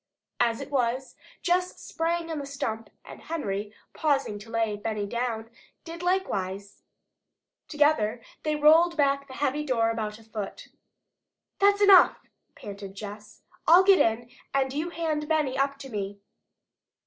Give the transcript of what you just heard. As it was, Jess sprang on the stump and Henry, pausing to lay Benny down, did likewise. Together they rolled back the heavy door about a foot. "That's enough," panted Jess. "I'll get in, and you hand Benny up to me."